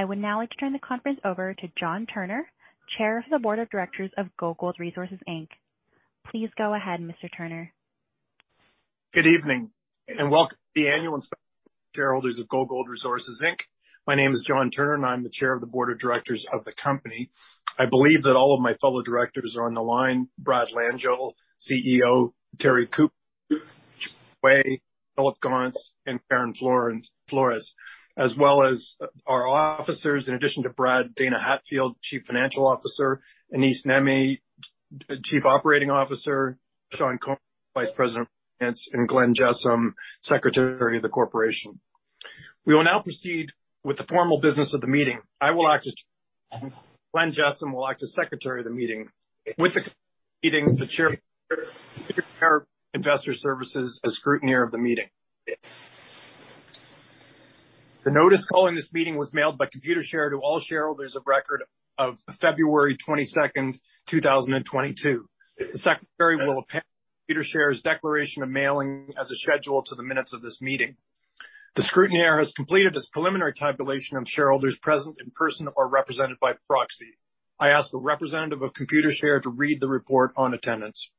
I would now like to turn the conference over to John Turner, Chair of the Board of Directors of GoGold Resources Inc. Please go ahead, Mr. Turner. Good evening, and welcome to the annual general meeting of the shareholders of GoGold Resources Inc. My name is John Turner, and I'm the Chair of the board of directors of the company. I believe that all of my fellow directors are on the line. Brad Langille, CEO, Terry Cooper, George Waye, Phillip Gaunce, and Karen Flores, as well as our officers. In addition to Brad, Dana Hatfield, Chief Financial Officer, Anis Nehme, Chief Operating Officer, Shawn Comeau, Vice President of Finance, and Glenn Jessome, Secretary of the Corporation. We will now proceed with the formal business of the meeting. Glenn Jessome will act as secretary of the meeting, the Chair, Computershare as scrutineer of the meeting. The notice calling this meeting was mailed by Computershare to all shareholders of record of February 22nd, 2022. The Secretary will append Computershare's declaration of mailing as a schedule to the minutes of this meeting. The scrutineer has completed its preliminary tabulation of shareholders present in person or represented by proxy. I ask the representative of Computershare to read the report on attendance.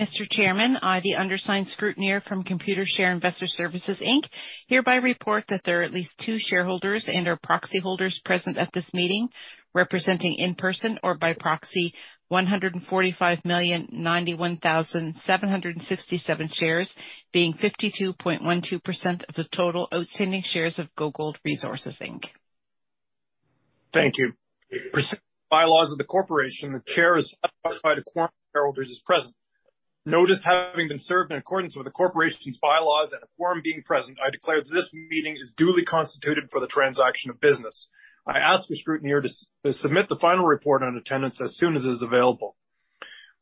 Mr. Chairman, I, the undersigned scrutineer from Computershare Investor Services Inc., hereby report that there are at least two shareholders and/or proxy holders present at this meeting, representing in person or by proxy 145 million, 91,767 shares, being 52.12% of the total outstanding shares of GoGold Resources Inc. Thank you. Pursuant to the bylaws of the corporation, the chair is satisfied a quorum of shareholders is present. Notice having been served in accordance with the corporation's bylaws and a quorum being present, I declare this meeting is duly constituted for the transaction of business. I ask the scrutineer to submit the final report on attendance as soon as it is available.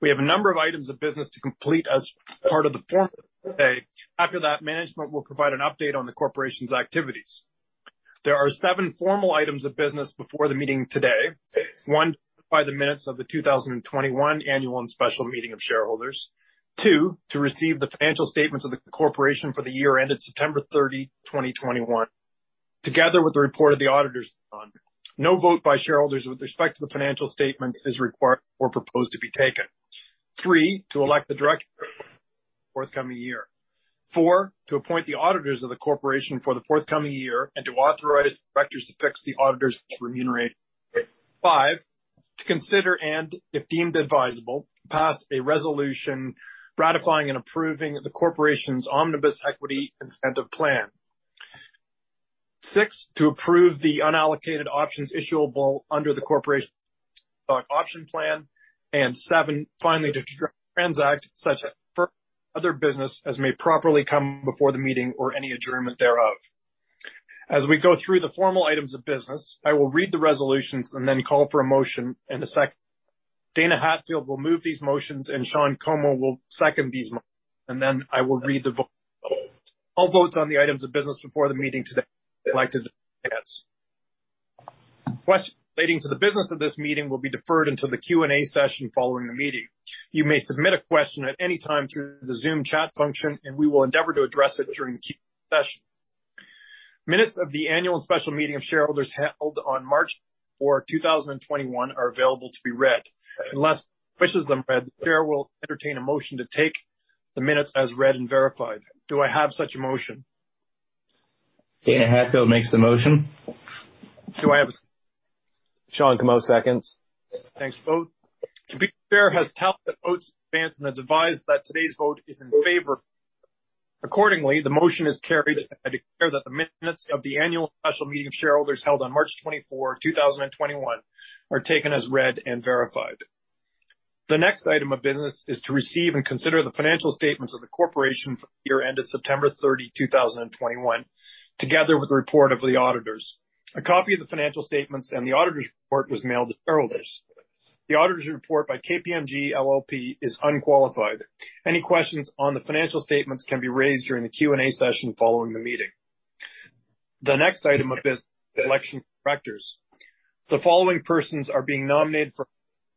We have a number of items of business to complete as part of the formal today. After that, management will provide an update on the corporation's activities. There are seven formal items of business before the meeting today. One, to review the minutes of the 2021 annual and special meeting of shareholders. Two, to receive the financial statements of the corporation for the year ended September 30, 2021, together with the report of the auditors thereon. No vote by shareholders with respect to the financial statements is required or proposed to be taken. Three, to elect the directors for the forthcoming year. Four, to appoint the auditors of the corporation for the forthcoming year and to authorize the directors to fix the auditors' remuneration. Five, to consider and, if deemed advisable, pass a resolution ratifying and approving the corporation's Omnibus Equity Incentive Plan. Six, to approve the unallocated options issuable under the corporation's Stock Option Plan. Seven, finally, to transact such other business as may properly come before the meeting or any adjournment thereof. As we go through the formal items of business, I will read the resolutions and then call for a motion and a second. Dana Hatfield will move these motions, and Shawn Comeau will second these motions. I will read the vote. All votes on the items of business before the meeting today are by ballot. Questions relating to the business of this meeting will be deferred until the Q&A session following the meeting. You may submit a question at any time through the Zoom chat function, and we will endeavor to address it during the Q&A session. Minutes of the annual and special meeting of shareholders held on March 4, 2021 are available to be read. Unless anyone wishes them read, the chair will entertain a motion to take the minutes as read and verified. Do I have such a motion? Dana Hatfield makes the motion. Do I have.. Shawn Comeau seconds. Thanks both. Computershare has tallied the votes in advance and advised that today's vote is in favor. Accordingly, the motion is carried. I declare that the minutes of the annual and special meeting of shareholders held on March 24, 2021 are taken as read and verified. The next item of business is to receive and consider the financial statements of the corporation for the year ended September 30, 2021, together with the report of the auditors. A copy of the financial statements and the auditor's report was mailed to shareholders. The auditor's report by KPMG LLP is unqualified. Any questions on the financial statements can be raised during the Q&A session following the meeting. The next item of business is the election of directors. The following persons are being nominated for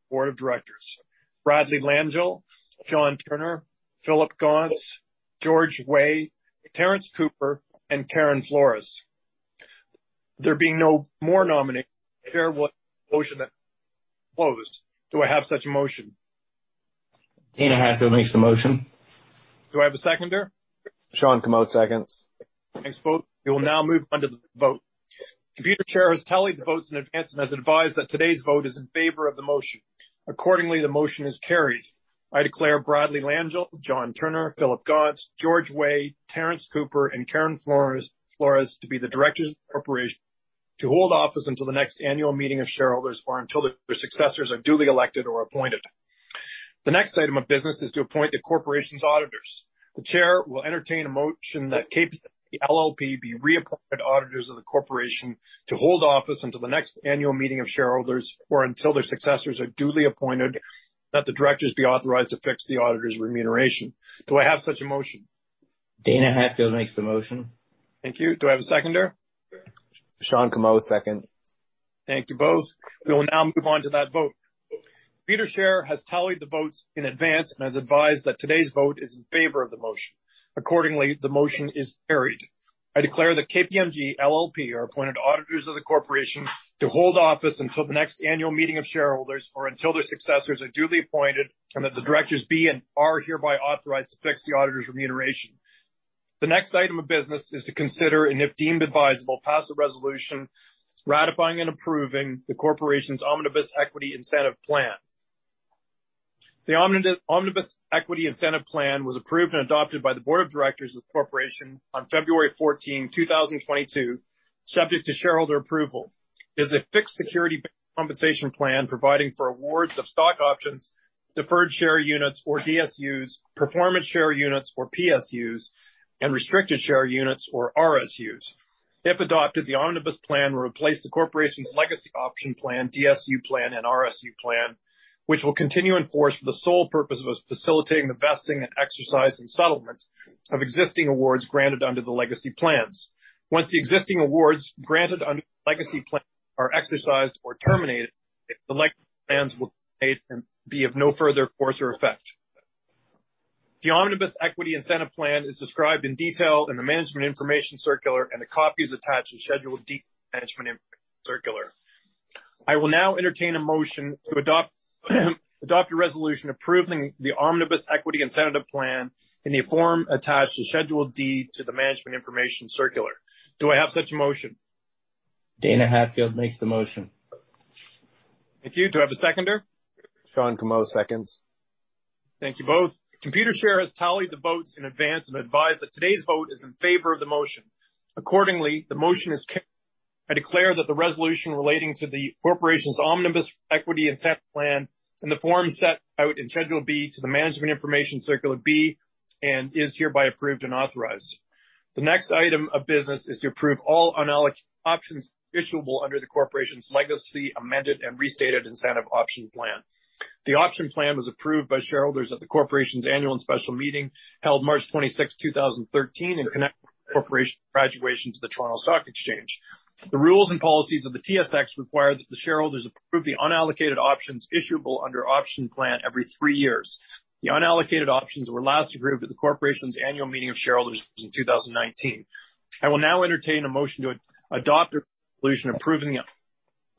board of directors. Bradley Langille, John Turner, Phillip Gaunce, George Waye, Terrence Cooper, and Karen Flores. There being no more nominees, the chair will close. Do I have such a motion? Dana Hatfield makes the motion. Do I have a seconder? Shawn Comeau seconds. Thanks both. We will now move on to the vote. Computershare has tallied the votes in advance and has advised that today's vote is in favor of the motion. Accordingly, the motion is carried. I declare Bradley Langille, John Turner, Phillip Gaunce, George Waye, Terrence Cooper, and Karen Flores to be the directors of the corporation to hold office until the next annual meeting of shareholders or until their successors are duly elected or appointed. The next item of business is to appoint the corporation's auditors. The chair will entertain a motion that KPMG LLP be reappointed auditors of the corporation to hold office until the next annual meeting of shareholders or until their successors are duly appointed, that the directors be authorized to fix the auditors' remuneration. Do I have such a motion? Dana Hatfield makes the motion. Thank you. Do I have a seconder? Shawn Comeau second. Thank you both. We will now move on to that vote. Computershare has tallied the votes in advance and has advised that today's vote is in favor of the motion. Accordingly, the motion is carried. I declare that KPMG LLP are appointed auditors of the corporation to hold office until the next annual meeting of shareholders, or until their successors are duly appointed, and that the directors be and are hereby authorized to fix the auditor's remuneration. The next item of business is to consider, and if deemed advisable, pass a resolution ratifying and approving the corporation's Omnibus Equity Incentive Plan. The Omnibus Equity Incentive Plan was approved and adopted by the board of directors of the corporation on February 14, 2022, subject to shareholder approval, is a fixed security-based compensation plan providing for awards of stock options, deferred share units or DSUs, performance share units or PSUs, and restricted share units or RSUs. If adopted, the Omnibus plan will replace the corporation's legacy option plan, DSU plan, and RSU plan, which will continue in force for the sole purpose of facilitating the vesting and exercise and settlement of existing awards granted under the legacy plans. Once the existing awards granted under the legacy plan are exercised or terminated, the legacy plans will terminate and be of no further force or effect. The Omnibus Equity Incentive Plan is described in detail in the Management Information Circular, and a copy is attached to Schedule D of the Management Information Circular. I will now entertain a motion to adopt a resolution approving the Omnibus Equity Incentive Plan in the form attached to Schedule D to the Management Information Circular. Do I have such a motion? Dana Hatfield makes the motion. Thank you. Do I have a seconder? Shawn Comeau seconds. Thank you both. Computershare has tallied the votes in advance and advised that today's vote is in favor of the motion. Accordingly, the motion is carried. I declare that the resolution relating to the corporation's Omnibus Equity Incentive Plan in the form set out in Schedule B to the Management Information Circular and is hereby approved and authorized. The next item of business is to approve all unallocated options issuable under the corporation's legacy amended and restated incentive option plan. The option plan was approved by shareholders at the corporation's annual and special meeting held March 26, 2013, in connection with the corporation's graduation to the Toronto Stock Exchange. The rules and policies of the TSX require that the shareholders approve the unallocated options issuable under option plan every three years. The unallocated options were last approved at the corporation's annual meeting of shareholders in 2019. I will now entertain a motion to adopt a resolution approving the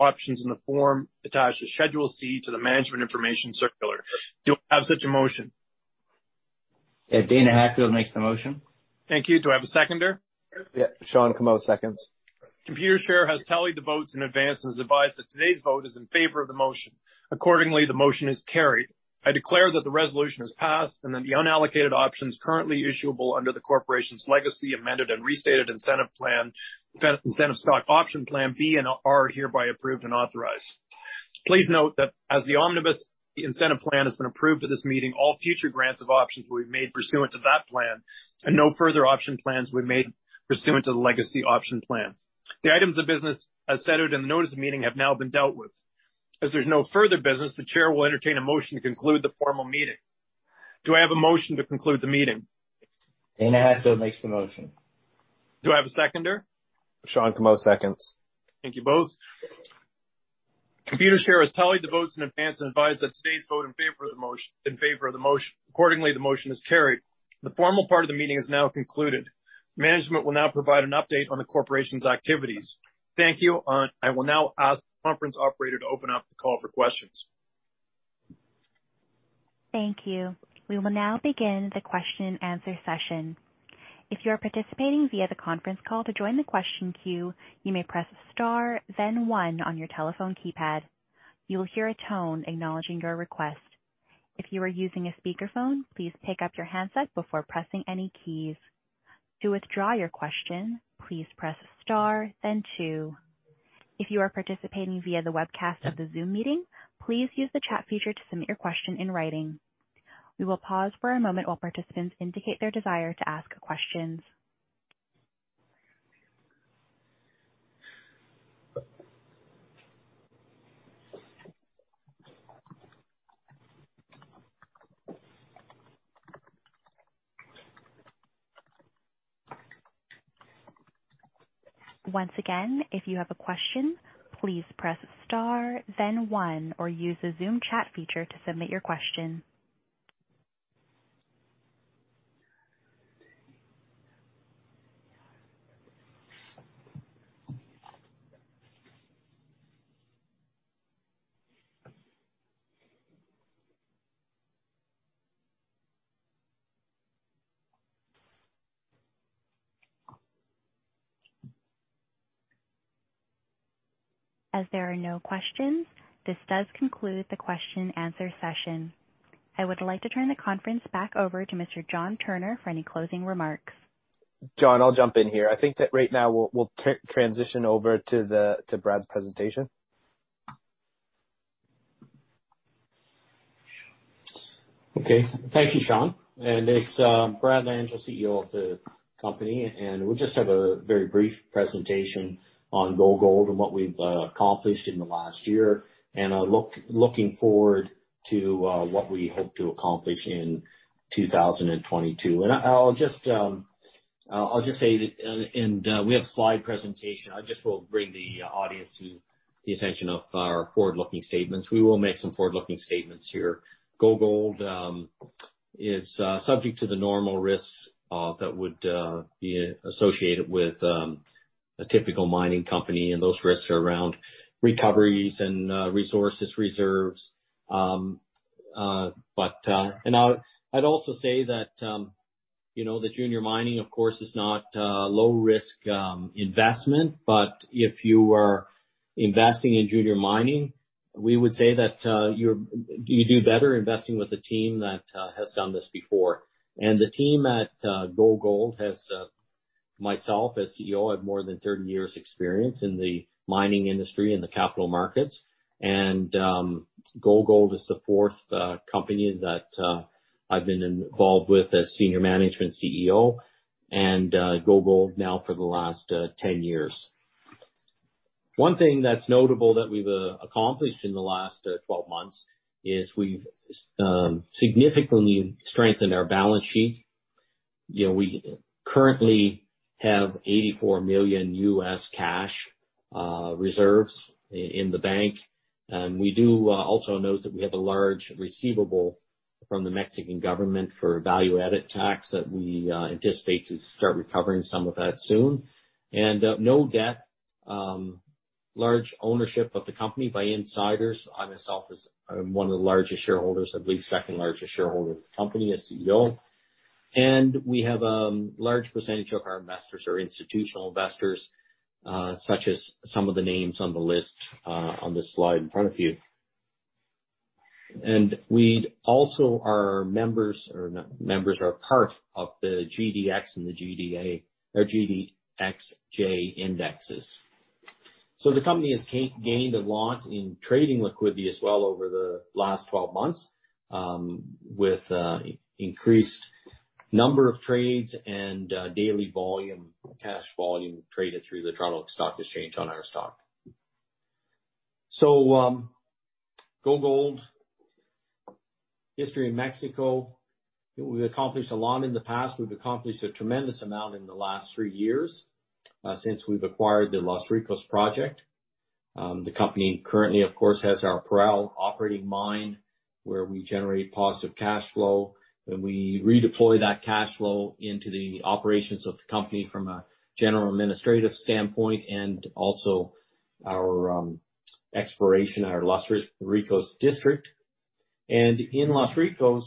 options in the form attached to Schedule C to the Management Information Circular. Do I have such a motion? Yeah. Dana Hatfield makes the motion. Thank you. Do I have a seconder? Yeah. Shawn Comeau seconds. Computershare has tallied the votes in advance and has advised that today's vote is in favor of the motion. Accordingly, the motion is carried. I declare that the resolution is passed, and that the unallocated options currently issuable under the corporation's legacy amended and restated incentive plan, incentive stock option plan B, and are hereby approved and authorized. Please note that as the Omnibus Incentive Plan has been approved at this meeting, all future grants of options will be made pursuant to that plan, and no further option plans will be made pursuant to the legacy option plan. The items of business as stated in the notice of meeting have now been dealt with. As there's no further business, the chair will entertain a motion to conclude the formal meeting. Do I have a motion to conclude the meeting? Dana Hatfield makes the motion. Do I have a seconder? Shawn Comeau seconds. Thank you both. Computershare has tallied the votes in advance and advised that today's vote in favor of the motion. Accordingly, the motion is carried. The formal part of the meeting is now concluded. Management will now provide an update on the corporation's activities. Thank you. I will now ask the conference operator to open up the call for questions. Thank you. We will now begin the question and answer session. If you are participating via the conference call, to join the question queue, you may press star then one on your telephone keypad. You will hear a tone acknowledging your request. If you are using a speakerphone, please pick up your handset before pressing any keys. To withdraw your question, please press star then two. If you are participating via the webcast of the Zoom meeting, please use the chat feature to submit your question in writing. We will pause for a moment while participants indicate their desire to ask questions. Once again, if you have a question, please press star then one or use the Zoom chat feature to submit your question. As there are no questions, this does conclude the question and answer session. I would like to turn the conference back over to Mr. John Turner for any closing remarks. John, I'll jump in here. I think that right now we'll transition over to Brad's presentation. Okay. Thank you, Shawn. It's Brad Langille, CEO of the company, and we just have a very brief presentation on GoGold and what we've accomplished in the last year, looking forward to what we hope to accomplish in 2022. I'll just say that, we have slide presentation. I just will bring the audience to the attention of our forward-looking statements. We will make some forward-looking statements here. GoGold is subject to the normal risks that would be associated with a typical mining company, and those risks are around recoveries and resources, reserves. I'd also say that, you know, the junior mining, of course, is not a low risk investment. If you are investing in junior mining, we would say that you do better investing with a team that has done this before. The team at GoGold has myself as CEO. I have more than 30 years experience in the mining industry, in the capital markets. GoGold is the fourth company that I've been involved with as Senior Management CEO, and GoGold now for the last 10 years. One thing that's notable that we've accomplished in the last 12 months is we've significantly strengthened our balance sheet. You know, we currently have $84 million US cash reserves in the bank. We do also note that we have a large receivable from the Mexican government for value added tax that we anticipate to start recovering some of that soon. No debt, large ownership of the company by insiders. I myself is one of the largest shareholders, I believe, second largest shareholder of the company as CEO. We have large percentage of our investors are institutional investors, such as some of the names on the list on the slide in front of you. We'd also are members or n-members or a part of the GDX and the GDXJ indexes. The company has gained a lot in trading liquidity as well over the last 12 months with increased number of trades and daily volume, cash volume traded through the Toronto Stock Exchange on our stock. GoGold history in Mexico, we've accomplished a lot in the past. We've accomplished a tremendous amount in the last three years since we've acquired the Los Ricos project. The company currently, of course, has our Parral operating mine, where we generate positive cash flow. We redeploy that cash flow into the operations of the company from a general administrative standpoint and also our exploration at our Los Ricos district. In Los Ricos,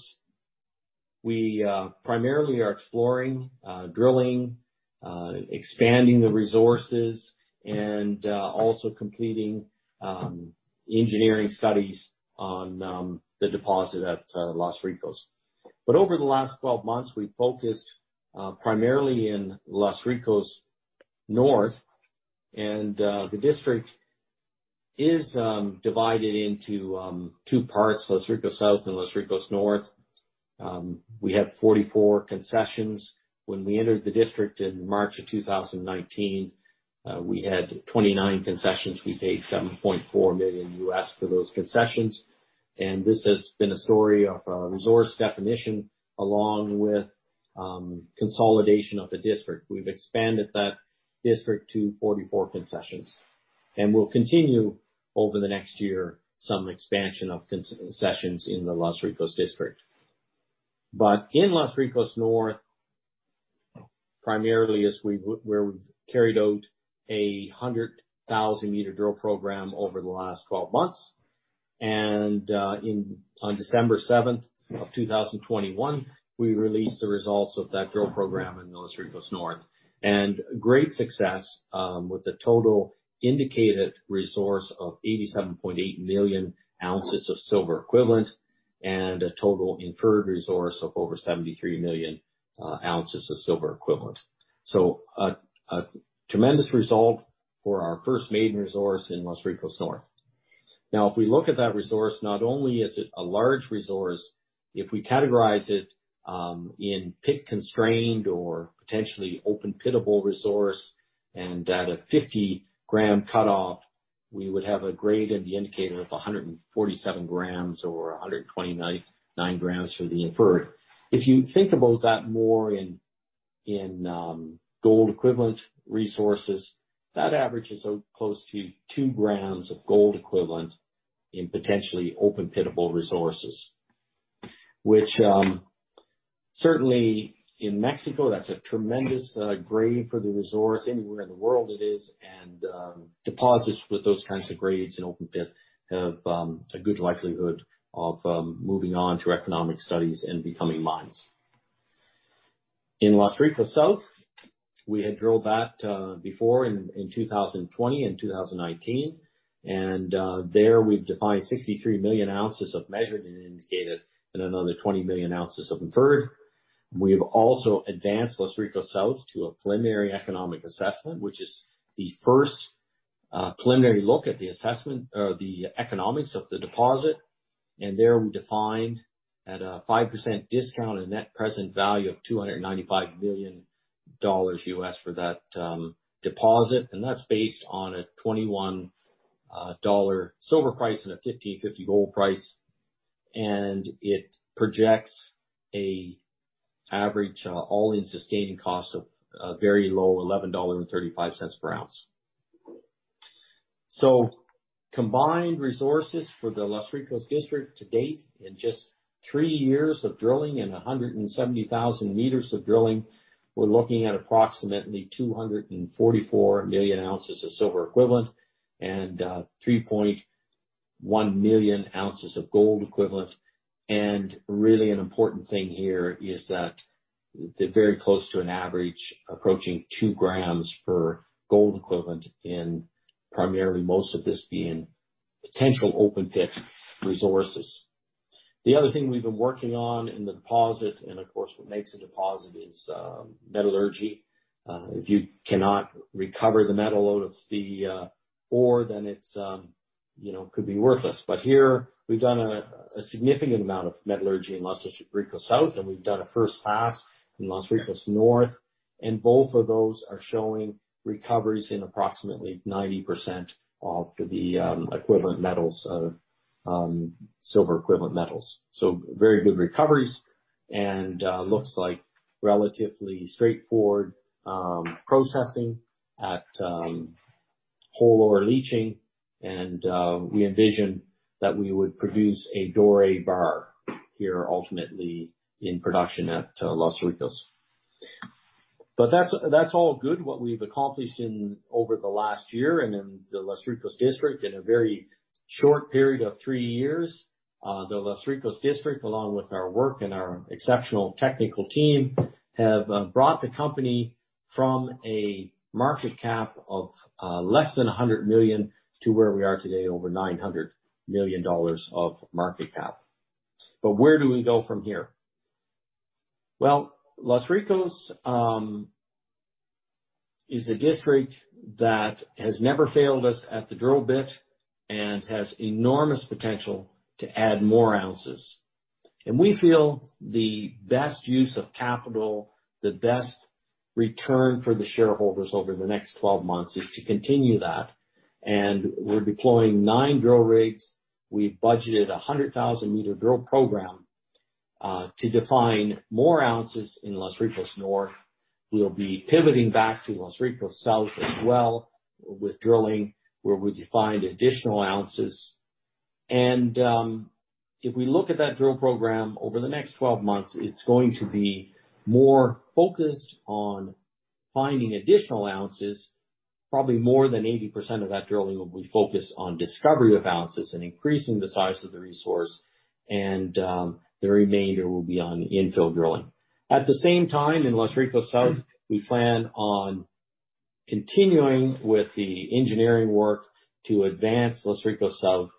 we primarily are exploring, drilling, expanding the resources and also completing engineering studies on the deposit at Los Ricos. Over the last twelve months, we focused primarily in Los Ricos North, and the district is divided into two parts, Los Ricos South and Los Ricos North. We have 44 concessions. When we entered the district in March of 2019, we had 29 concessions. We paid $7.4 million for those concessions. This has been a story of resource definition along with consolidation of the district. We've expanded that district to 44 concessions, and we'll continue over the next year, some expansion of concessions in the Los Ricos district. In Los Ricos North, primarily where we've carried out a 100,000 meter drill program over the last 12 months. On December 7th, 2021, we released the results of that drill program in Los Ricos North. Great success with a total indicated resource of 87.8 million ounces of silver equivalent and a total inferred resource of over 73 million ounces of silver equivalent. A tremendous result for our first maiden resource in Los Ricos North. Now, if we look at that resource, not only is it a large resource, if we categorize it in pit constrained or potentially open-pittable resource and at a 50-gram cutoff, we would have a grade of the indicated of 147 grams or 129.9 grams for the inferred. If you think about that more in gold equivalent resources, that averages out close to 2 grams of gold equivalent in potentially open-pittable resources, which certainly in Mexico, that's a tremendous grade for the resource. Anywhere in the world it is. Deposits with those kinds of grades in open pit have a good likelihood of moving on to economic studies and becoming mines. In Los Ricos South, we had drilled that before in 2020 and 2019. There we've defined 63 million ounces of measured and indicated and another 20 million ounces of inferred. We've also advanced Los Ricos South to a preliminary economic assessment, which is the first preliminary look at the assessment or the economics of the deposit. There we defined at a 5% discount a net present value of $295 million for that deposit. That's based on a $21 silver price and a $1,550 gold price. It projects an average all-in sustaining cost of a very low $11.35 per ounce. Combined resources for the Los Ricos District to date, in just three years of drilling and 170,000 meters of drilling, we're looking at approximately 244 million ounces of silver equivalent and 3.1 million ounces of gold equivalent. Really an important thing here is that they're very close to an average approaching 2 grams per gold equivalent, and primarily most of this being potential open-pit resources. The other thing we've been working on in the deposit, and of course what makes a deposit is metallurgy. If you cannot recover the metal out of the ore, then it could be worthless. Here we've done a significant amount of metallurgy in Los Ricos South, and we've done a first pass in Los Ricos North, and both of those are showing recoveries in approximately 90% of the equivalent metals of silver equivalent metals. Very good recoveries, and looks like relatively straightforward processing at whole ore leaching. We envision that we would produce a doré bar here ultimately in production at Los Ricos. That's all good what we've accomplished over the last year and in the Los Ricos District in a very short period of three years. The Los Ricos District, along with our work and our exceptional technical team, have brought the company from a market cap of less than 100 million to where we are today, over 900 million dollars of market cap. Where do we go from here? Well, Los Ricos is a district that has never failed us at the drill bit and has enormous potential to add more ounces. We feel the best use of capital, the best return for the shareholders over the next 12 months is to continue that. We're deploying 9 drill rigs. We've budgeted a 100,000-meter drill program to define more ounces in Los Ricos North. We'll be pivoting back to Los Ricos South as well with drilling, where we defined additional ounces. If we look at that drill program, over the next 12 months, it's going to be more focused on finding additional ounces. Probably more than 80% of that drilling will be focused on discovery of ounces and increasing the size of the resource, and the remainder will be on infill drilling. At the same time, in Los Ricos South, we plan on continuing with the engineering work to advance Los Ricos South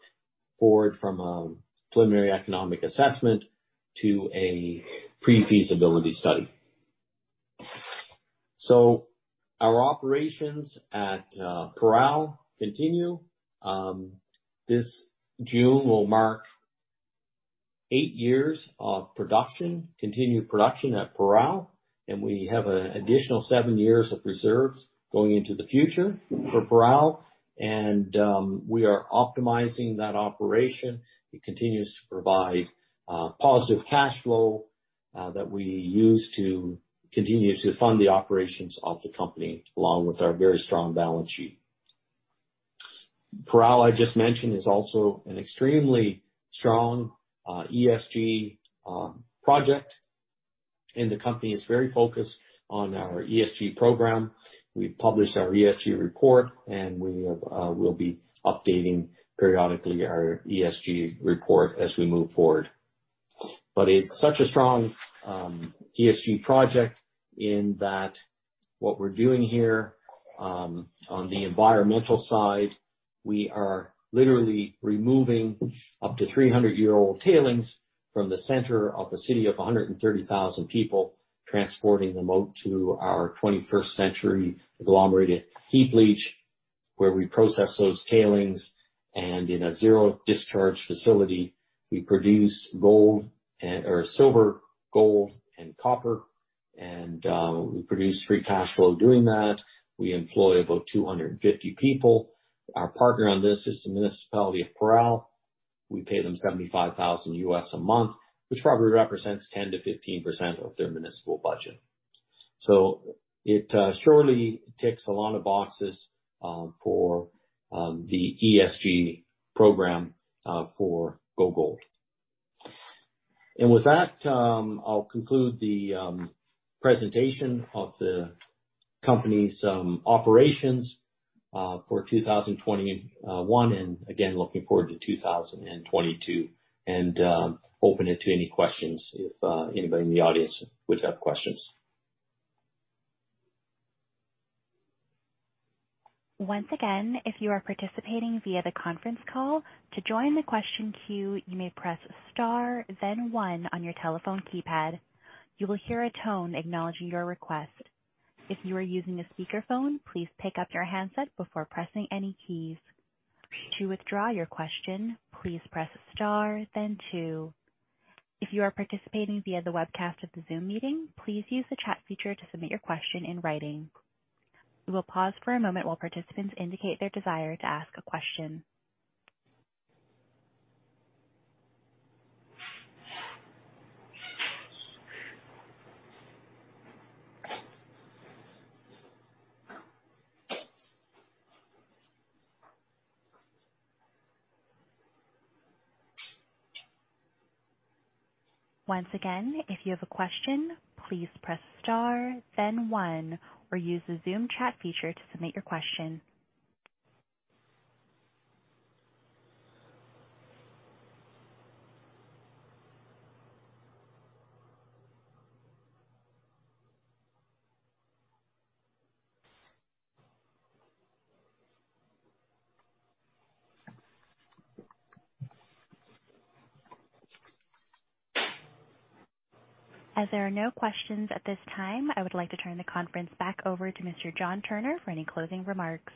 forward from a preliminary economic assessment to a pre-feasibility study. Our operations at Parral continue. This June will mark eight years of production, continued production at Parral, and we have an additional seven years of reserves going into the future for Parral. We are optimizing that operation. It continues to provide positive cash flow that we use to continue to fund the operations of the company, along with our very strong balance sheet. Parral, I just mentioned, is also an extremely strong ESG project, and the company is very focused on our ESG program. We published our ESG report, and we have we'll be updating periodically our ESG report as we move forward. But it's such a strong ESG project in that what we're doing here on the environmental side, we are literally removing up to 300-year-old tailings from the center of a city of 130,000 people, transporting them out to our 21st century agglomerated heap leach, where we process those tailings. In a zero discharge facility, we produce silver, gold, and copper. We produce free cash flow doing that. We employ about 250 people. Our partner on this is the Municipality of Parral. We pay them $75,000 a month, which probably represents 10%-15% of their municipal budget. It surely ticks a lot of boxes for the ESG program for GoGold. With that, I'll conclude the presentation of the company's operations for 2021, and again, looking forward to 2022, and open it to any questions if anybody in the audience would have questions. Once again, if you are participating via the conference call, to join the question queue, you may press star then one on your telephone keypad. You will hear a tone acknowledging your request. If you are using a speakerphone, please pick up your handset before pressing any keys. To withdraw your question, please press star then two. If you are participating via the webcast of the Zoom meeting, please use the chat feature to submit your question in writing. We will pause for a moment while participants indicate their desire to ask a question. Once again, if you have a question, please press star then one or use the Zoom chat feature to submit your question. As there are no questions at this time, I would like to turn the conference back over to Mr. John Turner for any closing remarks.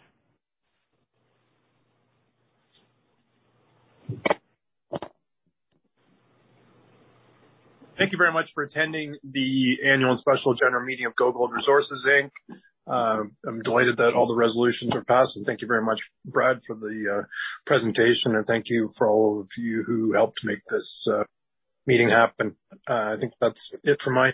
Thank you very much for attending the annual special general meeting of GoGold Resources Inc. I'm delighted that all the resolutions are passed. Thank you very much, Brad, for the presentation. Thank you for all of you who helped make this meeting happen. I think that's it from my end.